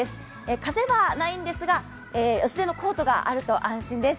風はないんですが、薄手のコートがあると安心です。